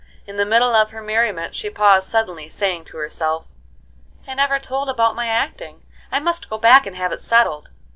In the middle of her merriment she paused suddenly, saying to herself: "I never told about my acting. I must go back and have it settled."